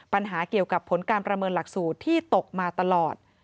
ปัญหาเกี่ยวกับผลการประเมินหลักสูตรที่ตกมาตลอด